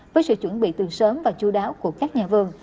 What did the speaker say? với sự chuẩn bị từ sớm và chú đáo của các nhà vườn